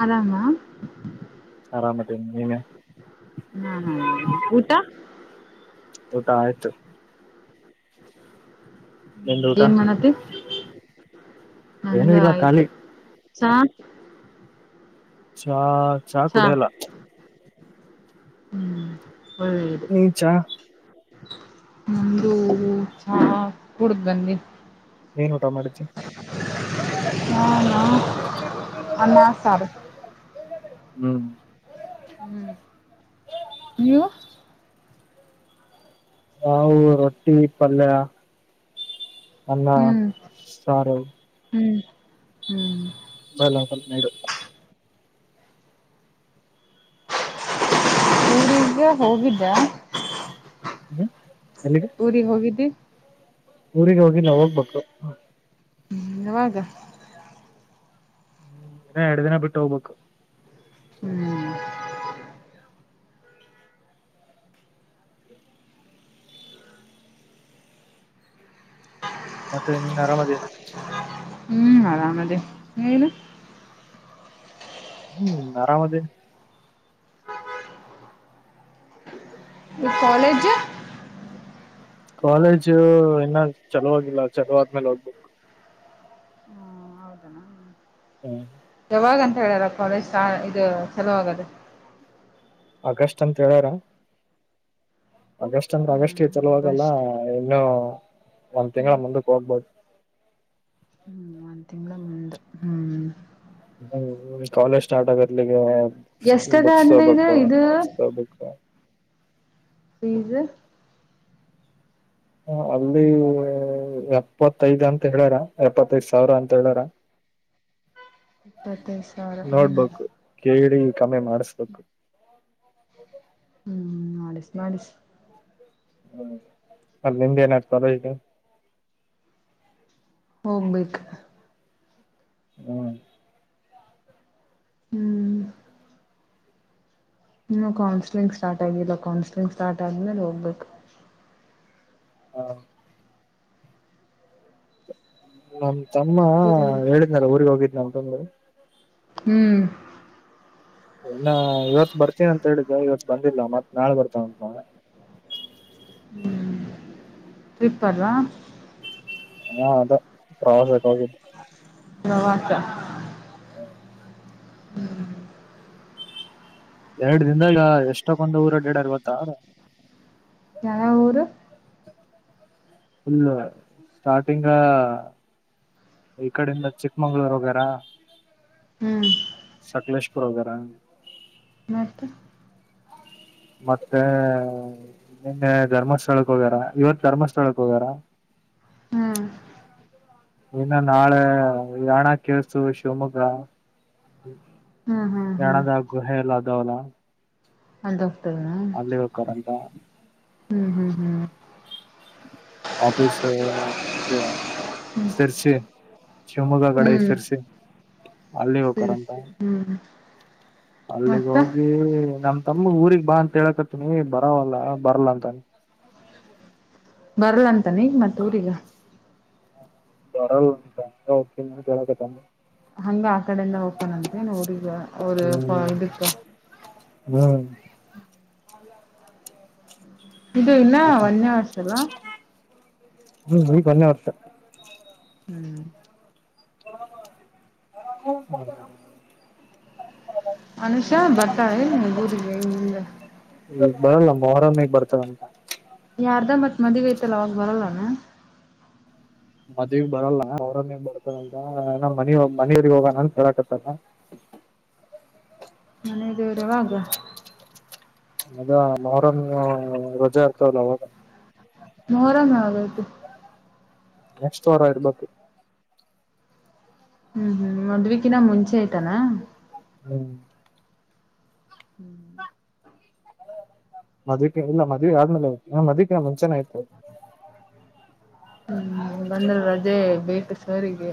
ಹರಮ್. ಆರಾಮಾದಿನಿ ನೀನು. ಹಾ ಹಾ ಊಟ. ಊಟ ಆಯ್ತು. ನಿಂದು ಊಟ ಏನ್ ಮಾಡತಿ ಏನು ನಂದು ಇಲ್ಲ ಆಯ್ತು. ಖಾಲಿ ಚಾ. ಚಾ.. ನೀ ಚಾ ನಂದುು ಚಾ ಕುಡಿದು ಬಂದ್ವಿ. ಏನ್ ಊಟಾ ಮಾಡಿದ್ದಿ. [inaudible] ಅನ್ನ ಸಾರು ಹ್ಮ್. ಹ್ಮ್ ನೀವು. ನಾವು ರೊಟ್ಟಿ ಪಲ್ಯ ಅನ್ನ ಹ್ಮ್ ಸಾರ. ಹ್ಮ್ ಹ್ಮ್ [unintelligible] ಊರಿಗೆ ಹೋಗಿದ್ದ. ಹ್ಮ್ ಎಲ್ಲಿಗೆ. ಊರಿಗೆ ಹೋಗಿದ್ದಿ. ಊರಿಗೆ ಹೋಗಿಲ್ಲ ಹೋಗ್ಬೇಕು. ಯಾವಾಗ. ಇನ್ನ ಎರಡು ದಿನ ಬಿಟ್ಟು ಹೋಗ್ಬೇಕು. ಹ್ಮ್ ಮತ್ತೆ ನಿನ್ ಆರಾಮದಿ. ಹ್ಮ್ ಆರಾಮಾದಿನಿ ನೀನು. ಹ್ಮ್ ಆರಾಮದಿ. ಈ ಕಾಲೇಜ್. ಕಾಲೇಜು ಇನ್ನ ಚಲೋಹಾಗಿಲ್ಲ ಚಲೋದ್ಮೇಲೆ ಹೋಗಬೇಕು. ಹ್ಮ್ ಯಾವಾಗ ಅಂತ ಹೇಳ್ಯಲ್ಲ ಕಾಲೇಜ್ ಇದು ಚಲೋವಾಗದು. ಆಗಸ್ಟ್ ಅಂತ ಹೇಳಾರ. ಆಗಸ್ಟ್ ಅಂದ್ರೆ ಹಾ ಆಗಸ್ಟ್ಗೆ ಚಲೋಹಗಲ್ಲ ಆಗಸ್ಟ್ ಇನ್ನುೂ ಒಂದ್ ತಿಂಗಳ ಹ್ಮ್ ಮುಂದಕ್ಕೆ ಹೋಗ್ಬೋದು ಹ್ಮ್ ಒಂದ್ ತಿಂಗಳು ಮುಂದು ಹ್ಮ್. ಹ್ಮ್ ಕಾಲೇಜ್ ಸ್ಟಾರ್ಟ್ ಆಗತ್ಲಿಗೆ ಎಷ್ಟದ ಬುಕ್ಸ್ ಅಂದ ಇದು ತಕೊಬೇಕು ಇದು ನೋಟ್ಸ್ ತೊಕೊಬೇಕು. ಪೀಜೂ ಹ ಅಲ್ಲಿ ಎಪ್ಪತ್ತೈದ್ ಅಂತ ಹೇಳ್ಯಾರ ಎಪ್ಪತ್ತೈದ್ ಸಾವಿರ ಅಂತ ಹೇಳಾರ. ಎಪ್ಪತ್ತ್ ನೋಡ್ಬೇಕು ಕೇಳಿ ಕಮ್ಮಿ ಮಾಡಸ್ಬೇಕು. ಹ್ಮ್ ಮಾಡಿಸ್ ಮಾಡಸಿ ಹ್ಮ ಅಲ್ಲಿ ನಿಮ್ದ್ ಏನಾದ್ರೂ ತಲೆ ಇದ್ದೀಯಾ. ಹೋಗ್ಬೇಕ್ ಹ್ಮ್ ಹ್ಮ್ ಇನ್ನು ಕೌನ್ಸಿಲಿಂಗ್ ಸ್ಟಾರ್ಟ್ ಆಗಿಲ್ಲ ಕೌನ್ಸಿಲಿಂಗ್ ಸ್ಟಾರ್ಟ್ ಆದ್ಮೇಲೆ ಹೋಗ್ಬೇಕು. ಹ್ಮ ನಮ್ ತಮ್ಮ ಹ್ಮ್ ಹೇಳಿದ್ನಲ್ಲ ಊರಿಗೆ ಹೋಗಿದ್ ಅಂತ‌ ಹೇಳಿ. ಹ್ಮ್ ಇನ್ನ ಇವತ್ತು ಬರ್ತೀನ ಅಂತ ಹೇಳಿದೆ ಇವತ್ ಬಂದಿಲ್ಲ ಮತ್ ನಾಳೆ ಬರ್ತಾನಂತ ಹ್ಮ ಟ್ರಿಪ್ಪ್ ಅಲ್ಲ ಹಾ ಅದೇ ಪ್ರವಾಸಕ್ಕೆ ಹೋಗಿದ್ ಹ ಆತ [unintelligible] ಹ್ಮ್ ಎರಡ್ ದಿನದಾಗ ಎಷ್ಟಕ್ಕೊಂದು ಊರು ಆಡ್ಯಾರ್ ಗೊತ್ತ. ಯಾವೇವ್ ಊರು ಪುಲ್ ಸ್ಟಾರ್ಟಿಂಗ್ ಈ ಕಡಿಂದ ಚಿಕ್ಕಮಂಗಳೂರು ಹೊಗ್ಯಾರಾ ಹ್ಮ್ ಸಕಲೇಶಪುರ ಹೋಗ್ಯಾರ. ಮತ್ತೆ ಮತ್ತೆ ನಿನ್ನೆ ಧರ್ಮಸ್ಥಳಕ್ಕೆ ಹೋಗ್ಯಾರ ಇವತ್ ಧರ್ಮಸ್ಥಳಕ್ ಹೋಗ್ಯಾರ. ಹ್ಮ್ ಇನ್ನ ನಾಳೆ ಯಾಣ ಕೇಳಸ್ತೂ ಶಿವಮೊಗ್ಗ ಹ್ಮ್ ಹ್ಮ್ ಹ್ಮ್ ಯಾಣದಾಗ ಗುಹೆ ಎಲ್ಲ ಅದಾವಲ್ಲ. ಅಂತ ಹೋಗತನಾ [unintelligible] ಕಂತ [unintelligible] ಹ್ಮ್ ಆಫೀಸ್ಸೂ ಸೇರಸಿ ಶಿವಮೊಗ್ಗ ಕಡೆ ಹ್ಮ್ ಸಿರಸೀ ಅಲ್ಲಿ ಸರಿ ಹೋಗರಂತ ಸರಿ ಹ್ಮ್ ಅಲ್ಲಿಗ್ ಮತ್ತ ಹೋಗಿ ನಮ್ ತಮ್ಮ ಊರಿಗ್ ಬಾ ಅಂತ ಹೇಳಕತ್ತಿನಿ ಬರಾವವಲ್ಲ ಬರಲ್ವ ಅಂತ ಬರಲ್ಲ ಅಂತ ನೀ ಮತ್ ಊರಿಗ ಬರಲ್ಲಂತೆ ಸುಮ್ಮನೆ ಕೇಳಕತ್ತಾನ ಹಂಗೆ ಆ ಕಡೆಯಿಂದ‌ ಹೋಗತ್ತಾನೆ ಅಂತೇನ್ ಹುಡುಗಿ ಅವರು ಹ್ಮ್ ಇದಕ್ಕ. ಹ್ಮ್ ಅೌದಾ [unintelligible] ಇದು ಇನ್ನ ವನ್ಯವಾಸ ಅಲ್ಲ ಹ್ಮ್ ಮೂಯಿಕ್ಕಿ ಒಂದನೇ ವರ್ಷ ಹ್ಮ್ ಹ್ಮ [unintelligible] ಅನುಷಾ ಬರ್ತಳೆನ್ ಊರಿಗೆ ಇನೊಂದ್ ಇವಾಗ ಬರಲ್ಲ ಮೊಹರಾಮ್ಗೆ ಬರ್ತಳಂತೆ. ಯಾರ್ದ ಮತ್ ಮದ್ವಿಯತಲ್ಲ ಅವಾಗ ಬರಲ್ಲಾನ ಮದ್ವಿ ಬರಲ್ಲ ಅವರನ್ನೇಗ್ ಬರ್ತದಂತ ಅಲ್ಲ ಮನೆಯವಿಗೆ ಹೋಗಣಂತ ಹೇಳಾಕತ್ತಾನ ಮನೆ ದೇವರ ಯಾವಾಗ ಅದ ಮೊಹರಂ ರಜಾ ಇರ್ತವಲ್ಲ ಅವಾಗ ಮೊಹರಂ ಯಾವಾಗ ಐತಿ ನೆಕ್ಸ್ಟವಾರ ಇರ್ಬೇಕ ಹ್ಮ್ ಹ್ಮ್ ಮದ್ವಿಕಿನ ಮುಂಚೆ ಐತನ ಹ್ಮ್ ಹ್ಮ್ ಮದ್ವಿ ಕಿ ಇಲ್ಲಾ ಮದುವೆ ಆದ್ಮೇಲೆ ಮದ್ವಿಕಿನ ಮುಂಚೆನ ಇತ್ತು ಹ್ಮ್ ಬಂದ್ರ ರಜೆ ಬೇಕು ಸರಿಗೆ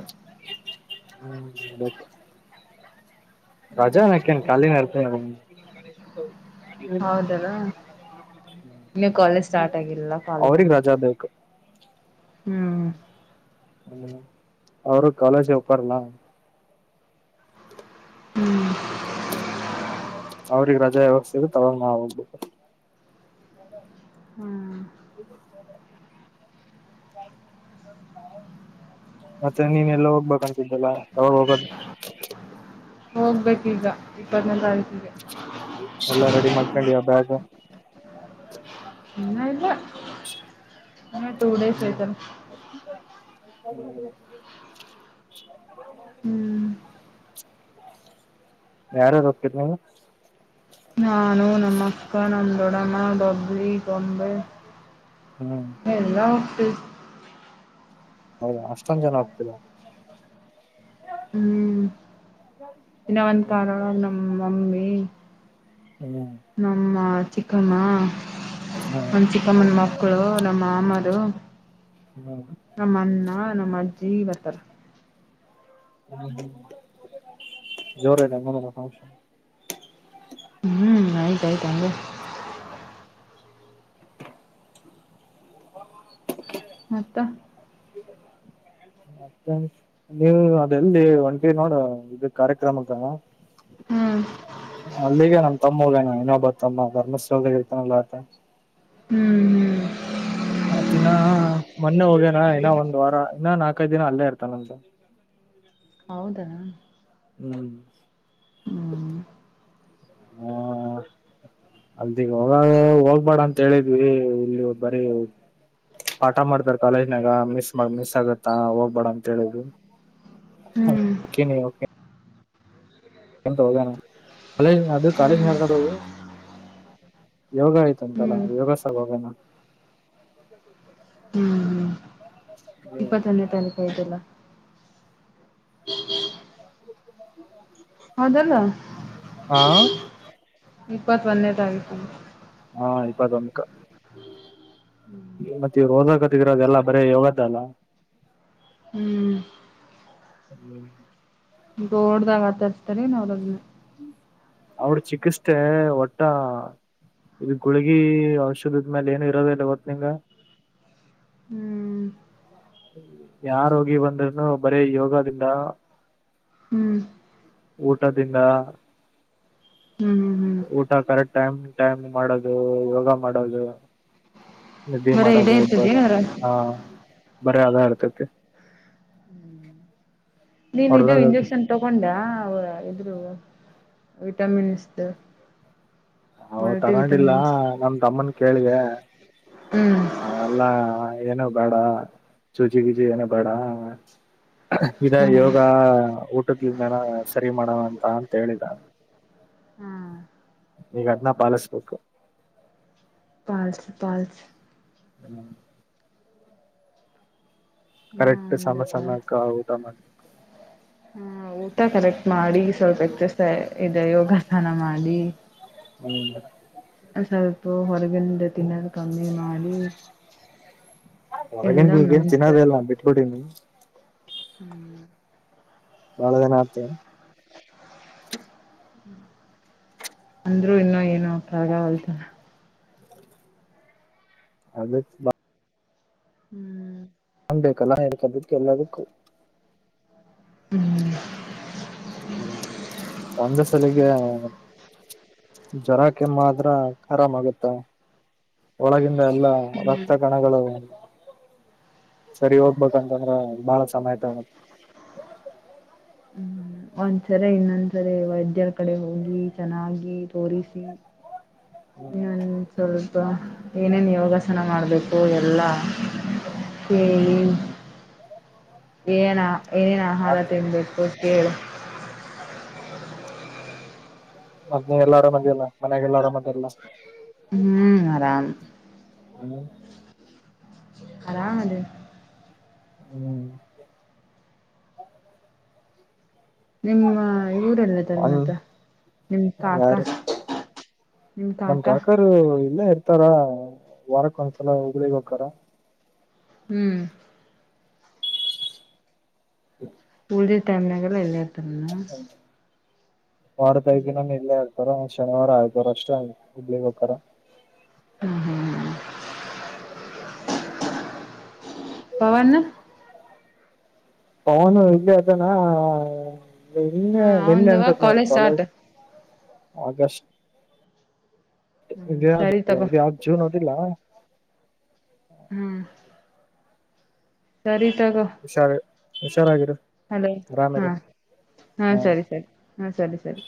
ಹ್ಮ್ ಬೇಕ್ ರಜಾಅನ್ನಕಾ ಏನ್ ಖಾಲಿನ ಇರ್ತ ಹೌದನ [inaudible] ಇನ್ನು ಕಾಲೇಜ್ ಸ್ಟಾರ್ಟ್ ಆಗಿಲ್ಲಿಲ್ಲ ಕಾಲಿನ ಅವ್ರಿಗ್ ಮತ್ತ ರಜಾ ಬೇಕು ಹ್ಮ್ ಹ್ಮ ಅವರು ಕಾಲೇಜಿಗೆ ಹೊಕ್ಕರಲ್ಲ ಹ್ಮ್ [unintelligible] ಅವ್ರಿಗೆ ರಜಾ ಯಾವಾಗ್ ಸಿಗತ್ತ ಅವಾಗ್ ನಾ ಹೋಗ್ಬೇಕು ಹ್ಮ್ [unintelligible] ಮತ್ತೆ ನೀನ ಎಲ್ಲ ಹೋಗ್ಬೇಕಂತಿದ್ದಲ್ಲ ಯಾವಾಗ ಹೋಗದು ಹೋಗಬೇಕ್ ಈಗ ಇಪ್ಪತ್ತನೇ ತಾರೀಕಿಗೆ [inaudible] ಎಲ್ಲಾ ರೆಡಿ ಮಾಡ್ಕೊಂಡಿಯಾ ಬ್ಯಾಗ್ ಇನ್ನ ಇಲ್ಲ [inaudible] ಇನ್ನ ಟೂ ಡೇಸ ಐತನ ಇಕ್ಕಡೆದ ಹ್ಮ್ ಯಾರ್ಯಾರ್ ಹೊಕ್ಕಿರಿ ನೀವು ನಾನುನಮ್ಮ ಅಕ್ಕಾ ನಮ್ಮ ದೊಡಮ್ಮ ಡಬ್ಲಿ ಗೊಂಬೆ ಹ್ಮ್ ಎಲ್ಲ [unintelligible] ಹೌದಾ ಅಷ್ಟೊಂದ ಜನ ಹೋಗತೀರಾ ಹ್ಮ್ [inaudible] ಇನ್ನ ಒಂದ ಕಾರ ಒಳಗ ನಮ್ಮ ಮಮ್ಮಿ ಹ್ಮ ನಮ್ಮ ಚಿಕ್ಕಮ್ಮ [inaudible] ಹ್ಮ್ ನಮ್ಮ ಚಿ ಚಿಕ್ಕಮ್ಮನ ಮಕ್ಕಳು ನಮ್ಮ ಮಾಮರು ಹ್ಮ ನಮ್ಮ ಅಣ್ಣ ನಮ್ಮ ಅಜ್ಜಿ ಬರ್ತಾರ ಹ್ಮ್ ಹ್ಮ್ [inaudible] ಜೋರ ಇದೆ ಹಂಗಾರ ಫಂಕ್ಷನ್ ಹ್ಮ್ ಐತೆ ಐತೆ ಹಂಗೆ [unintelligible] ಮತ್ತ [inaudible] ಮತ್ತ ನೀವು ಅದೆಲ್ಲಿ ಒಂಟಿ ನೋಡ ಇದ ಕಾರ್ಯಕ್ರಮಕ್ಕ ಹ್ಮ್ ಹ್ಮ್ [inaudible] ಅಲ್ಲಿಗೆ ನಮ್ಮ ತಮ್ಮ ಹೋಗೇನ ಇನ್ನೊಬ್ಬ ತಮ್ಮ ಧರ್ಮಸ್ಥಳದಾಗ ಇರ್ತಾನಲ್ಲ ಆತ ಹ್ಮ್ ಹ್ಮ್ [unintelligible] ಆತ್ತಿನಾ ಮೊನ್ನೆ ಹೋಗ್ಯನಾ ಇನ್ನ ಒಂದ್ ವಾರ ಇನ್ನ ನಾಲ್ಕೈದು ದಿನ ಅಲ್ಲೇ ಇರ್ತಾನಂತ. ಹೌದಾ. ಹ್ಮ್ ಹ್ಮ್ ಹ್ಮ ಹೋಗ ಹೋಗ್ಬೇಡ ಅಂತ ಹೇಳಿದ್ವಿ ಇಲ್ಲಿ ಬರೀ. ಪಾಠ ಮಾಡ್ತಾರ ಕಾಲೇಜ್ನಾಗ ಮಿಸ್ ಮಾಡ ಮಿಸ್ ಆಗತ್ತಾ ಹೋಗ್ಬೇಡ ಅಂತ ಹೇಳಿದ್ವಿ. ಹ್ಮ್ [unintelligible] ಅಂತ ಹೋಗೋಣ ಕಾಲೇಜ್ ಹ್ಮ್ ಕಾಲೇಜ್ ಹ್ಮ್ ನದ ಯೋಗ ಆಯ್ತು ಹ್ಮ್ ಯೋಗ ಸಲುವಾಗಿ. ಹ್ಮ್ ಹ್ಮ್ ಇಪ್ಪತ್ತ ಒಂದನೇ ತಾರೀಕು ಆಯ್ತಲ್ಲ. [inaudible] ಹೌದಲ್ಲ ಹಾ ಇಪ್ಪತ್ ಒಂದೇ ತಾರೀಕು. ಹಾ ಇಪ್ಪತು ಒಂದಕ್ಕ. [inaudible] ಮತ್ತೆ ಇವ್ರು ಓದಾಕತಿರಲ್ಲ ಬರೀ ಯೋಗದಲ್ಲ. ಹ್ಮ್ [inaudible] ದೋಡ್ದಾಗ ಆಚರಿಸುತ್ತಾರೆ. ಅವ್ರ ಚಿಕಿತ್ಸೆಒಟ. ಇದು ಗುಳಗಿ ಔಷಧದ ಮೇಲೆ ಏನು ಇರೋದ ಇಲ್ಲ ಗೊತ್ತಾ ನಿನಗ. ಹ್ಮ್. ಯಾವ ರೋಗಿ ಬಂದ್ರ್ನು ಬರೀ ಯೋಗದಿಂದ. ಹ್ಮ್ ಊಟದಿಂದ. ಹ್ಮ ಹ್ಮ ಹ್ಮ್ ಊಟ ಕರೆಕ್ಟ್ ಟೈಮ್ ಟೈಮ್ ಮಾಡೋದು ಯೋಗ ಮಾಡೋದು. ನಿದ್ದಿ ಬರೇ ಇದೇ ಮಾಡೋದು ಇರ್ತದೆ ಒಬ್ಬರೇ ಏನಾರ ಹಾ. ಬರೀ ಅದೇ [unintelligible] ನೀನ್ ಇದು ಇಂಜೆಕ್ಷನ್ ತಗೊಂಡ ಇದ್ರು ವಿಟಮಿನ್ಸ್. ಹ ಮಲ್ಟಿ ತಗೊಂಡಿಲ್ಲ ವಿಟಮಿನ್ಸ್ ನಮ ತಮ್ಮನ್ ಕೇಳಿದೆ. ಹ್ಮ್ ಎಲ್ಲಾ ಏನು ಬೇಡ ಚುಜಿಗಿಜಿ ಏನು ಬೇಡ. ಇದ ಯೋಗ ಊಟದಿಂದನ ಸರಿ ಮಾಡೋಣ ಅಂತ ಅಂತ ಹೇಳಿದ. ಹಾ ಈಗ ಅದ್ನ ಪಾಲಿಸ್ಬೇಕು. ಪಾಲಿಸು ಪಾಲಿಸು. [inaudible] ಇನ್ನ ಕರೆಕ್ಟ್ ಒಂದು ಸಮ ಸಮಯಕ್ಕೆ ಊಟ ಮಾಡಿ ಹ್ಮ ಊಟ ಕರೆಕ್ಟ್ ಮಾಡಿ ಸ್ವಲ್ಪ ಎಕ್ಸರ್ಸೈಜ್ ಇದೆ ಯೋಗಾಸನ ಮಾಡಿ. ಹ್ಮ್ ಸ್ವಲ್ಪ ಹೊರಗಿನಿಂದ ತಿನ್ನೋದು ಕಮ್ಮಿ ಮಾಡಿ. ಎಲ್ಲ ಹೊರಗಿಂದು ಇವಾಗೇನು ಮೆಂತೆ ತಿನ್ನೋದೋ ಇಲ್ಲ ಬಿಟ್ಟುಬಿಟ್ಟಿದ್ನಿ. [inaudible] ಬಹಳ ದಿನ ಆಯ್ತು. ಅಂದ್ರರು ಇನ್ನ ಏನು [unintelligible] ಅದೇ. [unintelligible] ಹ್ಮ್. ಬೇಕಲ್ಲ [unintelligible] ಎಲ್ಲದುಕ್ಕೂ. ಹ್ಮ್ ಹ ಒಂದೆ ಸಲಿಗೆ. ಜ್ವರ ಕೆಮ್ಮ ಆದ್ರ ಆರಾಮ ಆಗತ್ತ ಒಳಗಿಂದ ಎಲ್ಲಾ. ಹ್ಮ್ ರಕ್ತ ಕಣಗಳು ಸರಿ ಹೋಗ್ಬೇಕಂತಂದ್ರ ಬಾಳ ಸಮಯತಗತ್ತ. ಹ್ಮ್ ಒಂದ್ಸರೆ ಇನ್ನೊಂದ್ಸರೆ ವೈದ್ಯರ ಕಡೆ ಹೋಗಿ ಚೆನ್ನಾಗಿ ತೋರಿಸಿ. ಹ್ಮ್ ಇನ್ನೊಂದು ಸ್ವಲ್ಪ ಏನೇನು ಯೋಗಾಸನ ಮಾಡ್ಬೇಕು ಎಲ್ಲಾ. ಕೇಳಿ ಏನ್ ಏನೇನ್ ಆಹಾರ ಮಾಡ್ತೇನೆ ತಿನ್ಬೇಕು ಕೇಳ. ಮತ್ತೆನ್ ಎಲ್ಲಾ ಆರಮ್ ಅದಿಯಲ್ಲ ಮನೆಯಾಗ ಎಲ್ಲಾ ಆರಮ್ ಅದಲ್ಲ. ಹ್ಮ್ ಆರಾಮ್. ಅಣ್ಣರ್. ಆರಾಮ ಅದಿವಿ. ಹ್ಮ್ ನಿಮ್ಮ ಇವರೆಲ್ಲದಾರ ಹಂಗ್ ಮತ್ತ ನಿಮ್ ಕಾಕಾ. ಯಾರು ನಮ್ ಕಾಕರು ಇಲ್ಲೆ ಇರ್ತಾರ ವಾರಕ್ಕ ಒಂದ್ಸಲ ಹುಬ್ಬ್ಳಿಗ್ ಹೋಕ್ಕಾರ. ಹ್ಮ್ ಹ್ಮ ಉಲ್ದಿ ಟೈಮ್ನಾಗೆಲ್ಲ ಎಲ್ಲೇ ಇರ್ತಾರೇನ. ವಾರಕ್ ಐದ್ ದಿನನು ಇಲ್ಲೇ ಇರ್ತಾರ ಶನಿವಾರ ಐತರ್ ಅಷ್ಟೇ ಹುಬ್ಬ್ಳಿಗ್ ಹೊಕ್ಕಾರ. ಹ್ಮ್ ಹ್ಮ್ ಹ್ಮ ಪವನ್. ಪವನ್ ಇಲ್ಲೆ ಅದಾನ ನಿನ್ನೆ ಹ್ಮ ನಿನ್ನೆ ಅವಂದವ ಅನ್ಸತ್ ನೋಡ ಕಾಲೇಜ್. ಸ್ಟಾರ್ಟ್ ಆಗಸ್ಟ್ ಹ್ಮ್ ಸರಿ ತಗೋ [unintelligible] ಜೂನ್ ಓದಿಲ್ಲ. ಹ್ಮ್ ಸರಿ ತಗೋ. ಹುಷಾರ್ ಹುಷಾರಾಗಿರು ಹಲೋ ಹಾ ಆರಾಮಿರು ಹಾ ಸರಿ ಸರಿ. ಹ್ಮ ಸರಿ ಸರಿ.